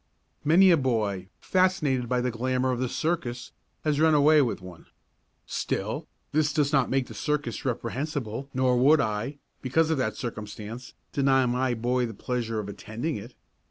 Many a boy, fascinated by the glamour of the circus, has run away with one. Still, this does not make the circus reprehensible nor would I, because of that circumstance, deny my boy the pleasure of attending it.